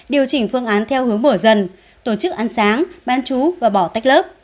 điều chỉnh phương án theo hướng mở dần tổ chức ăn sáng bán chú và bỏ tách lớp